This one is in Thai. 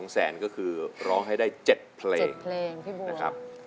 ๒แสนก็คือร้องให้ได้๗เพลงนะครับ